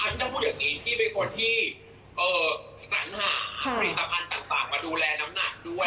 แล้วก็อันนี้พี่เป็นคนที่สนหาผลิตภัณฑ์ต่างมาดูแลน้ำหนักด้วยนะ